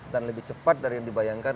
dan lebih cepat dari yang dibayangkan